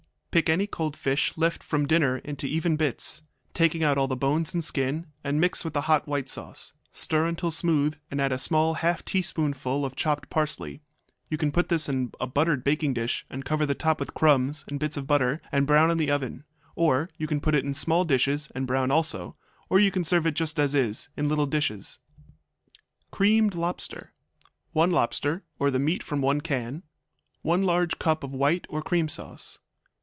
Pick any cold fish left from dinner into even bits, taking out all the bones and skin, and mix with the hot white sauce. Stir until smooth, and add a small half teaspoonful of chopped parsley. You can put this in a buttered baking dish and cover the top with crumbs and bits of butter, and brown in the oven, or you can put it in small dishes and brown also, or you can serve it just as is, in little dishes. Creamed Lobster 1 lobster, or the meat from 1 can. 1 large cup of white or cream sauce.